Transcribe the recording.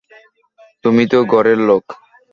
তুমি তো ঘরের লোক।